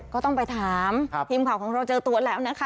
ก็ต้องไปถามทีมข่าวของเราเจอตัวแล้วนะคะ